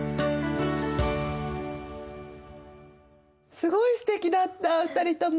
すごいすてきだった２人とも！